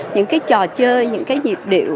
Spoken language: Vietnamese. những cái trò chơi những cái nhịp điệu